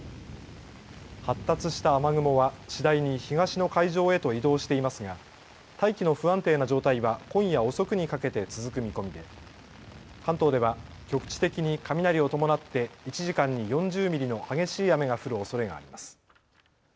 発達した雨雲は次第に東の海上へと移動していますが大気の不安定な状態は今夜遅くにかけて続く見込みで関東では局地的に雷を伴って１時間に４０ミリの激しい雨が降るおそれがあります。